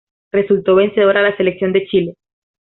Resultó vencedora la Selección de Chile.